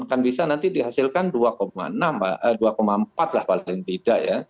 akan bisa nanti dihasilkan dua enam lah paling tidak ya